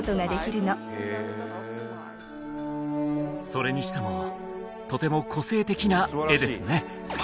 それにしてもとても個性的な絵ですね